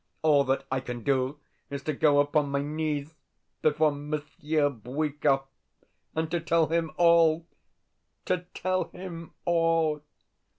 All that I can do is to go upon my knees before Monsieur Bwikov, and to tell him all, to tell him all.